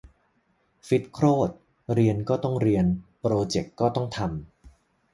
ฟิตโคตร เรียนก็ต้องเรียน โปรเจกต์ก็ต้องทำ